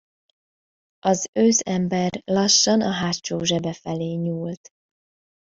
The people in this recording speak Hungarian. Az ősz ember lassan a hátsó zsebe felé nyúlt.